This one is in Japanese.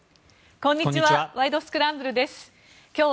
こんにちは。